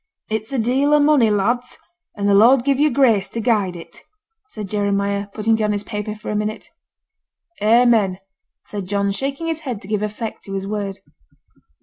'It's a deal of money, lads, and the Lord give you grace to guide it,' said Jeremiah, putting down his paper for a minute. 'Amen,' said John, shaking his head to give effect to his word.